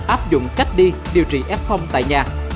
áp dụng cách đi điều trị f tại nhà